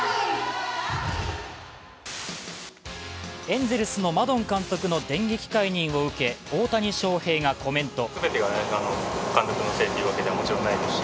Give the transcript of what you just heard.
エンゼルスのマドン監督の電撃解任を受け大谷翔平がコメント。